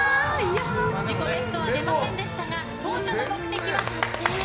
自己ベストは出ませんでしたが当初の目的は達成。